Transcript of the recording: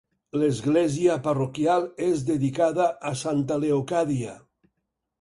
L'església parroquial és dedicada a Santa Leocàdia.